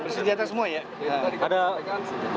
bersenjata semua ya